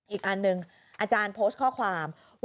อีกอันหนึ่งอาจารย์โพสต์ข้อความ